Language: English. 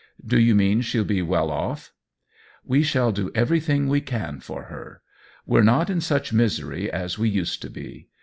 " Do you mean she'll be well off ?"" We shall do everything we can for her. We're not in such misery as we used to be.